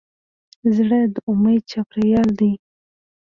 زړه د امید چاپېریال دی.